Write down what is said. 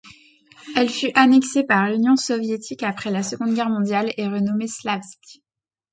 Elle fut annexée par l'Union soviétique après la Seconde Guerre mondiale et renommée Slavsk.